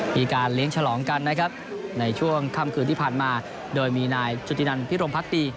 มีการเลี้ยงฉลองกันนะครับในช่วงค่ำคืนที่ผ่านมาโดยมีนายจุธินันพิรมพักดี